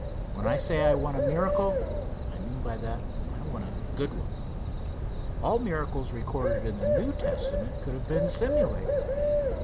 When I say I want a miracle, I mean by that, I want a good one. All the miracles recorded in the New Testament could have been simulated.